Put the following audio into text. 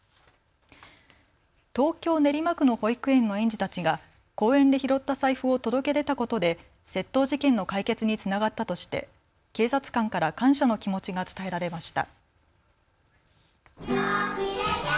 東京練馬区の保育園の園児たちが公園で拾った財布を届け出たことで窃盗事件の解決につながったとして警察官から感謝の気持ちが伝えられました。